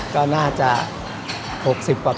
ก็น่าจะ๖๐ปีแล้วครับ